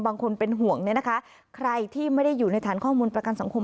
บางคนเป็นห่วงเนี่ยนะคะใครที่ไม่ได้อยู่ในฐานข้อมูลประกันสังคม